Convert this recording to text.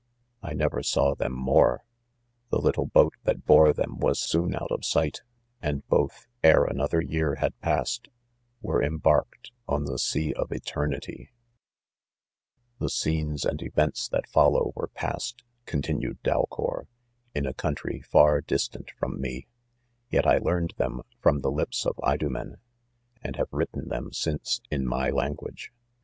I . never saw;; them s ^nore \, r The: ;; little boat that bore them .was soon; out: of :sigfe& ; and both, ere another year had passed, were embarked on the sea of eternity, 3 " The scenes and events that follow, were passed," continued Dalcour, " in a country far distant from me, yet I learned' them from the lips of Idomeri, and have written thenr since, in my language.